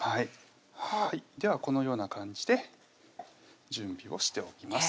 はいではこのような感じで準備をしておきます